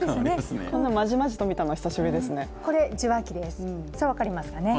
まじまじと見たのは久しぶりですね。